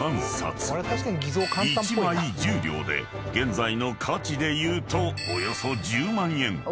［１枚１０両で現在の価値でいうとおよそ１０万円］